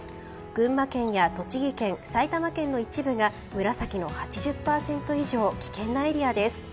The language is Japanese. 群馬県や栃木県、埼玉県の一部が紫の８０％以上危険なエリアです。